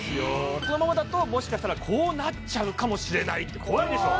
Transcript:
このままだともしかしたらこうなっちゃうかもしれない怖いでしょ？